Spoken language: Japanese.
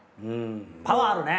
パワーあるね。